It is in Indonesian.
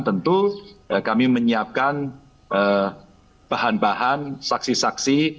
tentu kami menyiapkan bahan bahan saksi saksi